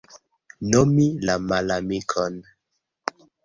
Nomi la malamikon.